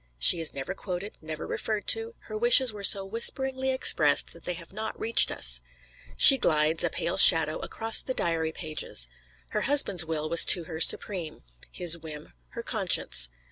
She is never quoted; never referred to; her wishes were so whisperingly expressed that they have not reached us. She glides, a pale shadow, across the diary pages. Her husband's will was to her supreme; his whim her conscience.